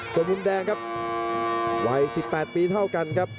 ส่วนมุมแดงครับวัย๑๘ปีเท่ากันครับ